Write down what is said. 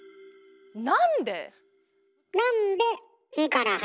なんで？